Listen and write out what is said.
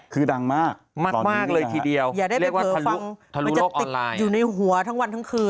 คือดังมากตอนนี้นะคะอยากได้ไปเผลอฟังมันจะติกอยู่ในหัวทั้งวันทั้งคืน